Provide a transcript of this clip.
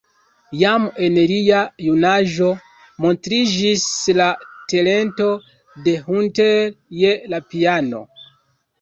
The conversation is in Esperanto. Jam en lia junaĝo montriĝis la talento de Hunter je la piano.